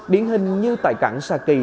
điển hình như tại cảng sa kỳ